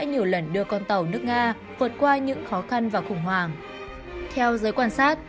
nhiều lần đưa con tàu nước nga vượt qua những khó khăn và khủng hoảng theo giới quan sát